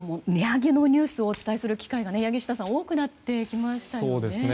今年に入ってから値上げのニュースをお伝えする機会が多くなってきましたよね。